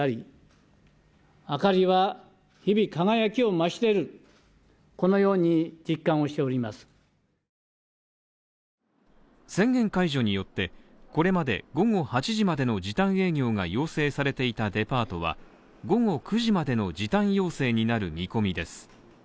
そして今夜宣言解除によって、これまで午後８時までの時短営業が要請されていたデパートは午後９時までの時短要請になる見込みです。